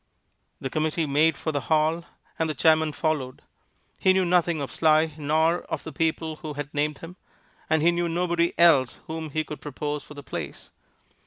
The committee made for the hall, and the chairman followed. He knew nothing of Sly nor of the people who had named him, and he knew nobody else whom he could propose for the place.